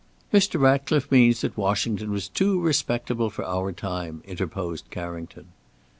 "Mr. Ratcliffe means that Washington was too respectable for our time," interposed Carrington.